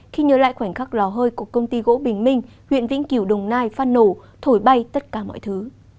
khi nhớ lại khoảnh khắc lò hơi của công ty gỗ bình minh huyện vĩnh kiểu đồng nai phát nổ thổi bay tất cả mọi thứ